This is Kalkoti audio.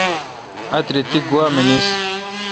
آتری تی گوا منیس۔